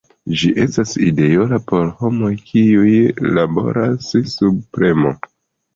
Ĝi estas ideala por homoj kiuj laboras sub premo.